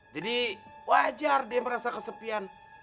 jadi wajar dia merasa kesepian